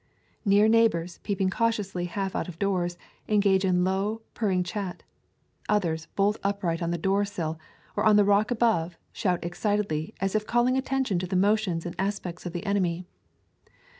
Near neighbors, peeping cautiously half out of doors, engage in low, purring chat. Others, bolt upright on the doorsill or on the rock above, shout excitedly as if calling attention to the motions and as pects of the enemy.